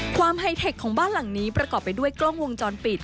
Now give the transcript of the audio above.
ไฮเทคของบ้านหลังนี้ประกอบไปด้วยกล้องวงจรปิด